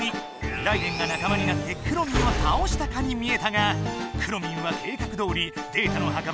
ライデェンが仲間になってくろミンをたおしたかに見えたがくろミンは計画どおりデータの墓場